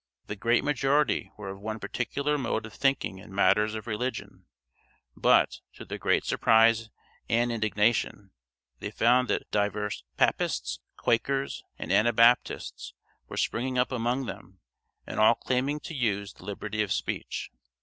The great majority were of one particular mode of thinking in matters of religion; but, to their great surprise and indignation, they found that divers Papists, Quakers, and Anabaptists were springing up among them, and all claiming to use the liberty of speech.